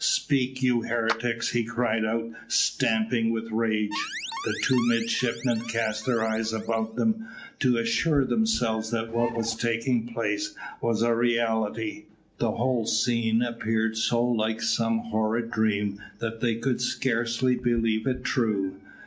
"Speak, you heretics," he cried, stamping with rage. The two midshipmen cast their eyes about them to assure themselves that what was taking place was a reality; the whole scene appeared so like some horrid dream that they could scarcely believe it true.